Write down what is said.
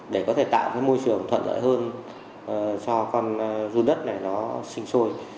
để có thể tạo cái môi trường thuận lợi hơn cho con run đất này nó sinh sôi